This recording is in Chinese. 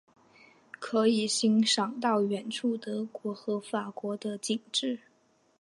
还可以欣赏到远处德国和法国的景致。